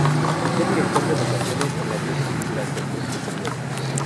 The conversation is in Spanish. Fue director de vocaciones en la diócesis durante este periodo.